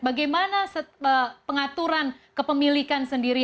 bagaimana pengaturan kepemilikan sendiri